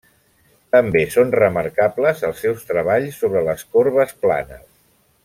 També són remarcables els seus treballs sobre les corbes planes.